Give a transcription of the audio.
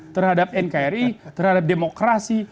terhadap nkri terhadap demokrasi